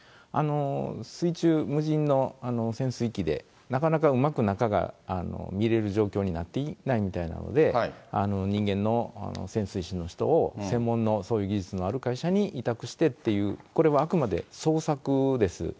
水中、無人の潜水機で、なかなかうまく中が見れる状態になっていないみたいなので、人間の潜水士の人を、専門のそういう技術のある会社に委託してっていう、これはあくまで捜索です。